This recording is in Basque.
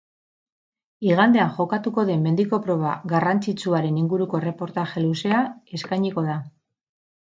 Igandean jokatuko den mendiko proba garrantzitsuaren inguruko erreportaje luzea eskainiko da.